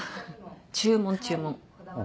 注文注文。